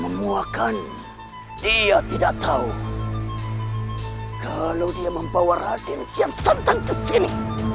memuahkan dia tidak tahu kalau dia membawa rahasia siap santan ke sini